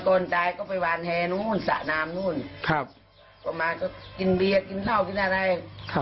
คนที่จะตายเนี่ยอีกบ้านหนึ่งเขาฝันเห็นว่ามีคนเขาบอกว่ามาเอาคนชื่ออะไรนะชื่ออะไรนะ